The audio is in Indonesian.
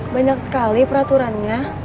banyak sekali peraturannya